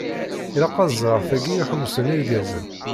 Ilaq ad ẓreɣ tagi iḥewwṣen irgazen.